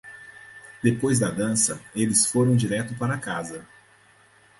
Depois da dança eles foram direto para casa.